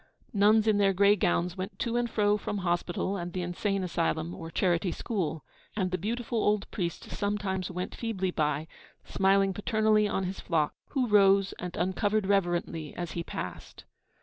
Nuns in their grey gowns went to and fro from hospital and the insane asylum or charity school; and the beautiful old priest sometimes went feebly by, smiling paternally on his flock, who rose and uncovered reverently as he passed.